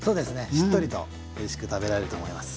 しっとりとおいしく食べられると思います。